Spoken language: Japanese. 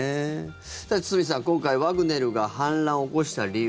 堤さん、今回ワグネルが反乱を起こした理由。